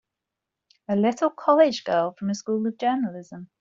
A little college girl from a School of Journalism!